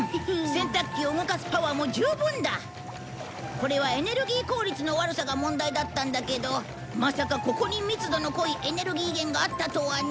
これはエネルギー効率の悪さが問題だったんだけどまさかここに密度の濃いエネルギー源があったとはね。